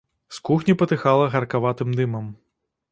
З кухні патыхала гаркаватым дымам.